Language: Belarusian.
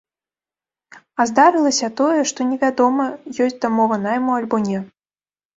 А здарылася тое, што невядома, ёсць дамова найму, альбо не.